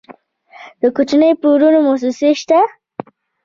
د کوچنیو پورونو موسسې شته؟